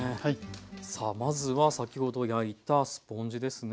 さあまずは先ほど焼いたスポンジですね。